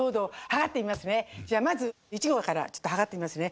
じゃあまずいちごからちょっと測ってみますね。